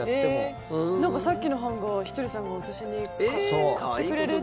なんかさっきのハンガーひとりさんが私に買ってくれるって。